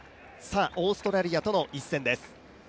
オーストラリアとの一戦です。